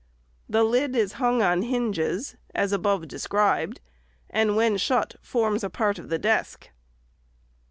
The lid is hung on hinges, as above described, and when shut forms a part of the desk.